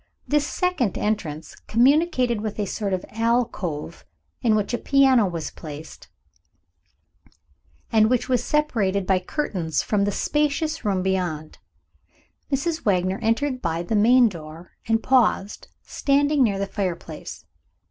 This second entrance communicated with a sort of alcove, in which a piano was placed, and which was only separated by curtains from the spacious room beyond. Mrs. Wagner entered by the main door, and paused, standing near the fire place.